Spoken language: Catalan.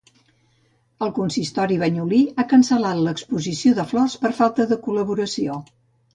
El Consistori banyolí ha cancel·lat l'Exposició de Flors per falta de col·laboració.